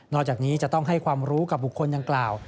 นอกจากนี้จะต้องให้ความรู้ประบบุคคลอย่างกล่าว